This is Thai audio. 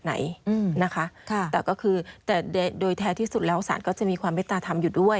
ไหนนะคะแต่ก็คือแต่โดยแท้ที่สุดแล้วสารก็จะมีความเมตตาธรรมอยู่ด้วย